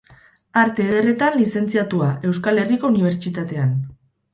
Arte Ederretan lizentziatua Euskal Herriko Unibertsitatean.